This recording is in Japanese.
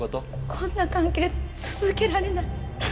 こんな関係続けられない。